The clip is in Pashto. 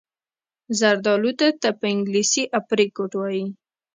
زردالو ته په انګلیسي Apricot وايي.